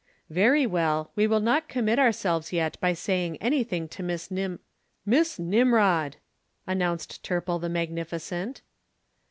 "Very well; we will not commit ourselves yet by saying anything to Miss Nim " "Miss Nimrod," announced Turple the magnificent.